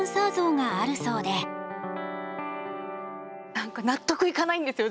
何か納得いかないんですよ